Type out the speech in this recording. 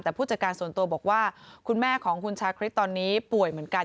แต่ผู้จัดการส่วนตัวบอกว่าคุณแม่ของคุณชาคริสตอนนี้ป่วยเหมือนกัน